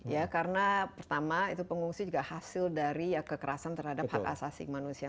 ya karena pertama itu pengungsi juga hasil dari kekerasan terhadap hak asasi manusia